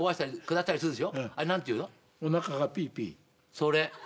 それ。